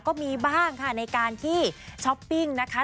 ก็มีบ้างค่ะในการที่ช้อปปิ้งนะคะ